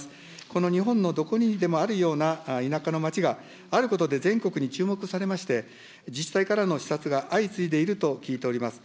この日本のどこにでもあるような田舎の町が、あることで全国に注目されまして、自治体からの視察が相次いでいると聞いております。